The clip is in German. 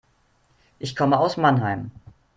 Ich komme aus Mannheim